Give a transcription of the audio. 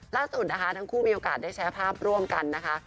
ล่าสุดนะคะทั้งคู่มีโอกาสได้แชร์ภาพร่วมกันนะคะ